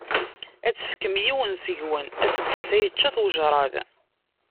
Ad tefkem yiwen seg-wen, aseggas-a yečča-t ujrad.